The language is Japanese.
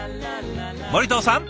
森藤さん